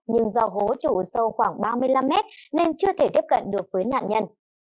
nhưng do hố trụ sâu khoảng ba mươi năm mét nên chưa thể tiếp cận được với nạn nhân